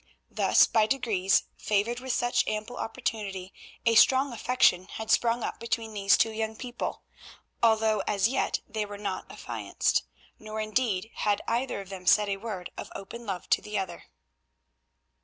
Thus, by degrees, favoured with such ample opportunity, a strong affection had sprung up between these two young people, although as yet they were not affianced, nor indeed had either of them said a word of open love to the other.